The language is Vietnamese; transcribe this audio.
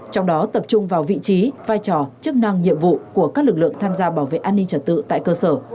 trong đó tập trung vào vị trí vai trò chức năng nhiệm vụ của các lực lượng tham gia bảo vệ an ninh trật tự tại cơ sở